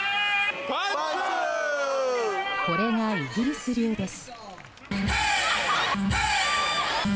これが、イギリス流です。